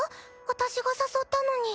私が誘ったのに。